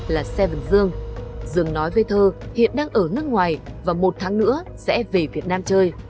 là xe bình dương dương nói với thơ hiện đang ở nước ngoài và một tháng nữa sẽ về việt nam chơi